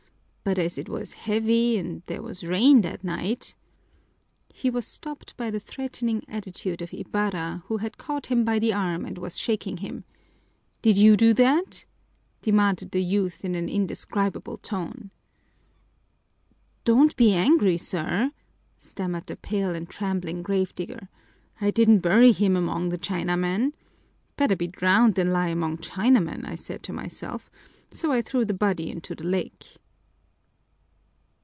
But as it was heavy and there was rain that night " He was stopped by the threatening attitude of Ibarra, who had caught him by the arm and was shaking him. "Did you do that?" demanded the youth in an indescribable tone. "Don't be angry, sir," stammered the pale and trembling grave digger. "I didn't bury him among the Chinamen. Better be drowned than lie among Chinamen, I said to myself, so I threw the body into the lake."